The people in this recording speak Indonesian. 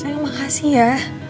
sayang makasih ya